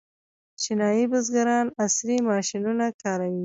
چینايي بزګران عصري ماشینونه کاروي.